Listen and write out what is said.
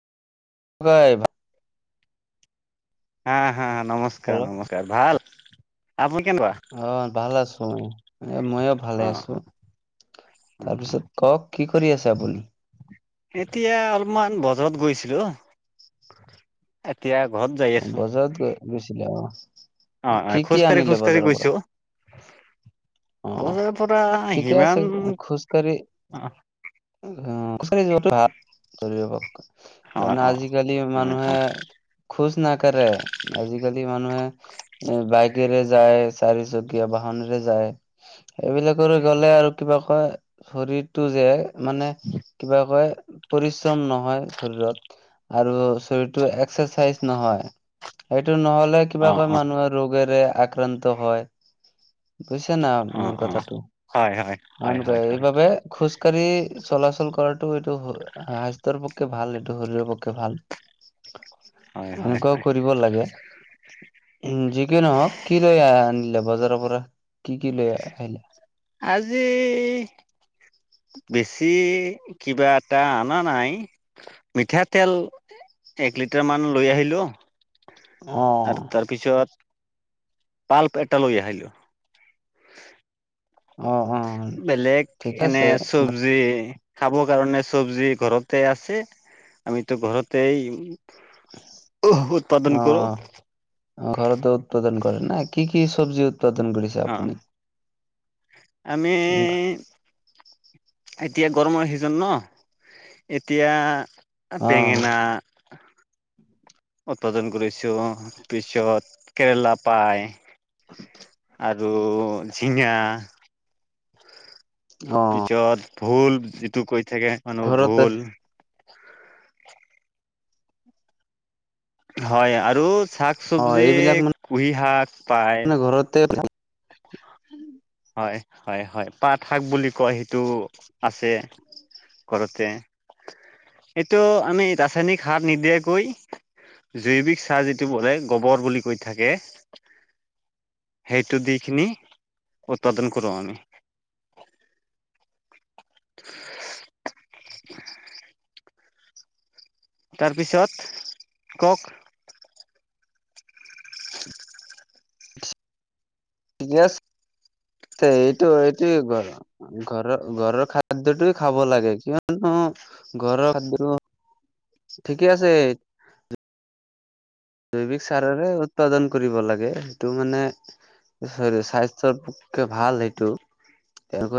হয়। উম হুম হেল্ল' নমস্কাৰ নমস্কাৰ। ভাল আপুনি কেনেকুৱা- অ ভাল আছো মই এ মইও ভালে অ আছো, অ অ তাৰপিছত কওঁক কি কৰি আছে আপুনি? এতিয়া অলপমান বজাৰত গৈছিলো। এতিয়া ঘৰত যায়। বজাৰত কিয় গৈছিলে আক, অ অ কি কি খোজকাঢ়ি আনিলে খোজকাঢ়ি বজাৰৰ পৰা। গৈছো অঁ বজাৰৰ পৰা ঠিকেই সিমান আছে খোজকাাঢ়ি- অ অঁ খোজ কাঢ়ি যোৱাটো ভাল, সেইটো অ'ক অ আজিকালি হয় অ মানুহে খোজ নাকাৰে, আজিকালি মানুহে- এ বাইকেৰে যায় চাৰি চকীয়া বাহনৰে যায়। সেইবিলাকৰ গলে আৰু কিবা কয় শৰীৰটো যে মানে কিবা কয়। পৰিশ্ৰম নহয় শৰিৰত আৰু শৰিটো এক্সাৰচাইজ- নহয় সেইটো নহলে অ কিবাকৈ মানুহে ৰোগেৰে আক্ৰান্ত হয়। বুজিছে না অ অ মোৰ অ কথাটো হয় হয় হয় আন হয় হয় এইবাবে খোজকাঢ়ি চলাচল কৰাটো এইটো স্বাস্থ্যৰ পক্ষে ভাল এইটো শৰীৰৰ পক্ষে ভাল। হয় হয় এনেকুৱাও হয় কৰিব লাগে। যিকি নহওঁক কি লৈ আনিলে বজাৰৰ পৰা কি কি লৈ আহিলে। আজি বেছি কিবা এটা অনা নাই মিঠাতেল- এক লিটাৰ মান লৈ আহিলো আৰু অ', তাৰপিছত- তাৰপিছত পালক এটা লৈ আহিল। অঁ অঁ বেলেগ এনে চব্জি। খাব কাৰণে চব্জি ঘৰতে আছে আমিটো ঘৰতেই ই অহঁ অঁ ঘৰটো উৎপাদন কৰে ন কি কি চব্জি উৎপাদন কৰিছে অ আপুনি? আমি- এতিয়া গৰমৰ চিজন ন এতিয়া আঁ অ বেঙেনা- উৎপাদন কৰিছোঁ তাপিছত কেৰেলা পাই। [unintelligible] আৰু ঝিঙাহ। অ পিছত ভোল যিটো কৈ থাকে মানুহ ঘৰতে ভোল। হয় আৰু শাক অ চব্জি এইবিলাক কুঁহি শাক পায়। মানে ঘৰতে থাকিম হয় হয় হয় পাত শাক বুলি কয় সেইটো আছে। ঘৰতে এইটো আমি ৰাসায়নিক সাৰ নিদিয়াকৈ- জৈৱিক চাহ যিটো বোলে গবৰ বুলি কৈ থাকে। সেইটো দিকিনি- উৎপাদন কৰোঁ আমি। [unintelligible] তাৰপিছত কওঁক। ইয়েছ এইটো এইটোৱে বাৰু ঘৰৰ ঘৰৰ খাদ্যটোৱে খাব লাগে। কিয়নো- ঘৰৰ খাদ্য ন' ঠিকে আছে। জৈৱিক চাৰৰে উৎপাদন কৰিব লাগে সেইটো মানে হেৰি স্বাস্থ্যৰ পক্ষে ভাল সেইটো [unintelligible]